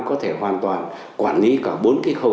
có thể hoàn toàn quản lý cả bốn cái khâu